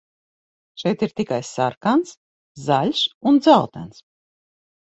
Šeit ir tikai sarkans, zaļš un dzeltens.